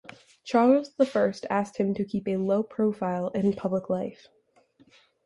Charles the First asked him to keep a low profile in public life.